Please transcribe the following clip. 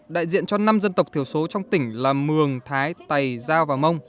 đại diện cho năm dân tộc thiểu số trong tỉnh là mường thái tày giao và mông